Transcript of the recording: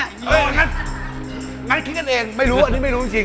งั้นคิดกันเองไม่รู้อันนี้ไม่รู้จริง